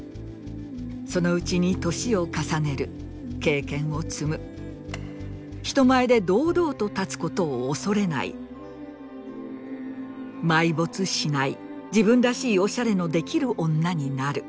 そのうちに歳を重ねる経験を積む人前で堂々と立つ事を恐れない埋没しない自分らしいオシャレのできる女になる。